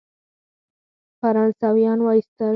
فرانسویان وایستل.